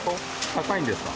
高いんですか？